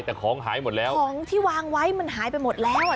แต่ของหายหมดแล้วของที่วางไว้มันหายไปหมดแล้วอ่ะ